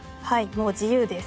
もう自由です。